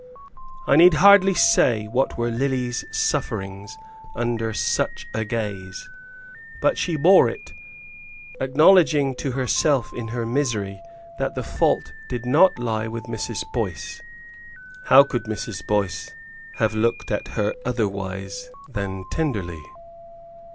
I need hardly say what were Lily's sufferings under such a gaze; but she bore it, acknowledging to herself in her misery that the fault did not lie with Mrs. Boyce. How could Mrs. Boyce have looked at her otherwise than tenderly?